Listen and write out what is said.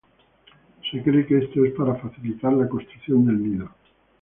Se cree que esto es para facilitar la construcción del nido.